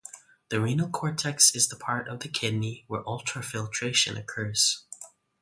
The renal cortex is the part of the kidney where ultrafiltration occurs.